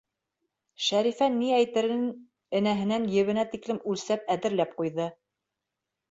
Шәрифә ни әйтерен энәһенән ебенә тиклем үлсәп әҙерләп ҡуйҙы.